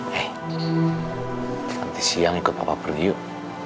hei nanti siang ikut papa pergi yuk